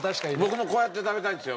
僕もこうやって食べたいんですよ